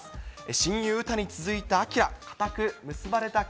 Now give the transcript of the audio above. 親友、詩に続いた輝。